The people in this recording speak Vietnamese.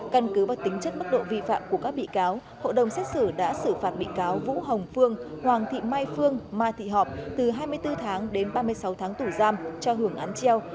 căn cứ vào tính chất mức độ vi phạm của các bị cáo hội đồng xét xử đã xử phạt bị cáo vũ hồng phương hoàng thị mai phương mai thị họp từ hai mươi bốn tháng đến ba mươi sáu tháng tù giam cho hưởng án treo